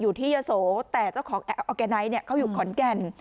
อยู่ที่เย้าโสแต่เจ้าของเนี้ยเขาอยู่ขนแก่น